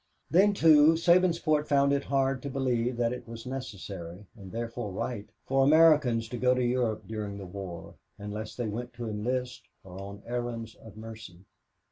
Then, too, Sabinsport found it hard to believe that it was necessary, and therefore right, for Americans to go to Europe during the war, unless they went to enlist or on errands of mercy.